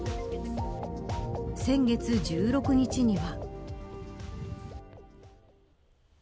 先月１６日には。